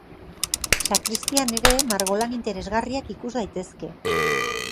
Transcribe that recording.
Sakristian ere margolan interesgarriak ikus daitezke.